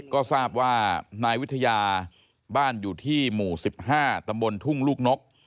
ก็ทราบว่านายวิทยาบ้านอยู่ที่หมู่๑๕ตำบลทุ่งลูกนก